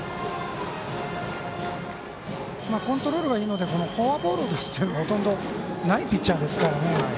コントロールがいいのでフォアボールを出すというのもほとんどないピッチャーですから。